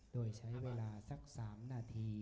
โดยใช้เวทย์